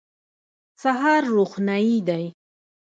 سهار روښنايي دی.